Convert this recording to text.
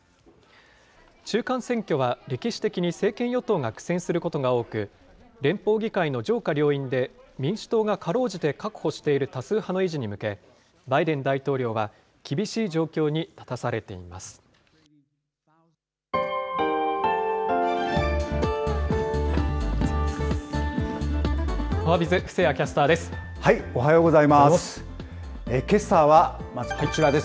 中間選挙は歴史的に政権与党が苦戦することが多く、連邦議会の上下両院で民主党がかろうじて確保している多数派の維持に向け、バイデン大統領が厳しい状況に立たされています。